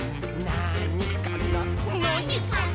「なにかな？」